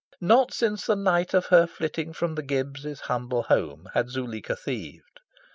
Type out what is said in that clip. Not since the night of her flitting from the Gibbs' humble home had Zuleika thieved.